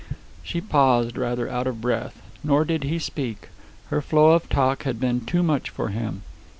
She paused rather out of breath. Nor did he speak. Her flow of talk had been too much for him.